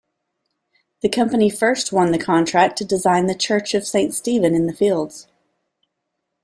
The company first won the contract to design the church of Saint Stephen-in-the-Fields.